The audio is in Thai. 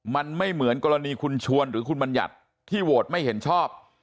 มันไม่เหมือนกรณีคุณชวนหรือคุณบัญญัติที่โหวตไม่เห็นชอบ